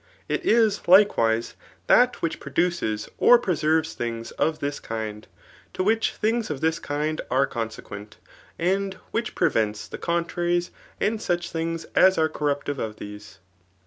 It is, likewise, that which pn»< duces or preserves things of this kind ; to which things of ^tl)]s kind are .consequent y and which preveiltis the OHAKW. R«TOItfC* 38* 'Contraries, and saA things as are corruptive of these.